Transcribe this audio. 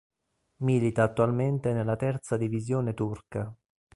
Milita attualmente nella terza divisione turca.